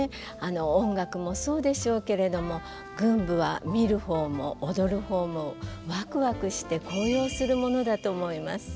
音楽もそうでしょうけれども群舞は見る方も踊る方もワクワクして高揚するものだと思います。